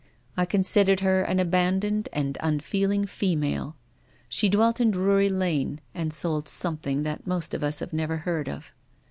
I considered her an abandoned and unfeeling female. She dwelt in Drury Lane and sold somelhing that most of us have never heard of."